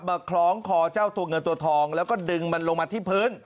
คล้องคอเจ้าตัวเงินตัวทองแล้วก็ดึงมันลงมาที่พื้น